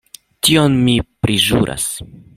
Tion mi priĵuras.